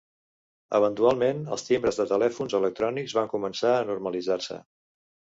Eventualment els timbres de telèfons electrònics van començar a normalitzar-se.